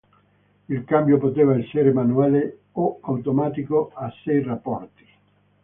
Il cambio poteva essere manuale o automatico a sei rapporti.